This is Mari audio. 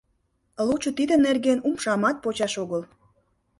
Лучо тидын нерген умшамат почаш огыл.